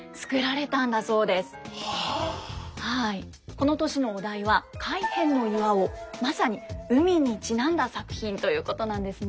この年のお題は「海辺巖」まさに海にちなんだ作品ということなんですね。